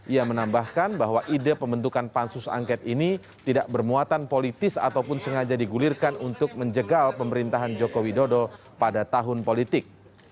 ia menambahkan bahwa ide pembentukan pansus angket ini tidak bermuatan politis ataupun sengaja digulirkan untuk menjegal pemerintahan joko widodo pada tahun politik